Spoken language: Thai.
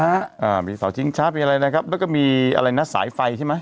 อ่ามีเสาชิงช้ามีอะไรนะครับแล้วก็มีอะไรนะสายไฟใช่ไหม